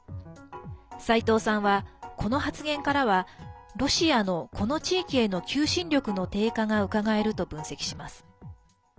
齋藤さんは、この発言からはロシアのこの地域への求心力の低下がうかがえると分析します。